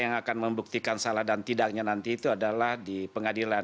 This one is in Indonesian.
yang akan membuktikan salah dan tidaknya nanti itu adalah di pengadilan